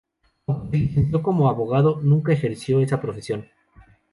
Aunque se licenció como abogado, nunca ejerció esa profesión.